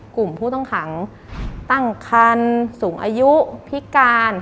กลุ่มผู้ต้องขังตั้งคันสูงอายุพิการ